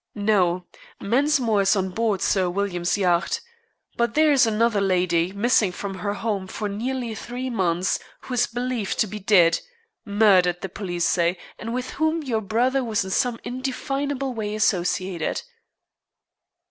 "No. Mensmore is on board Sir William's yacht. But there is another lady, missing from her home for nearly three months, who is believed to be dead murdered, the police say and with whom your brother was in some indefinable way associated."